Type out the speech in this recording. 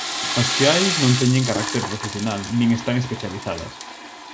As que hai non teñen carácter profesional, nin están especializadas.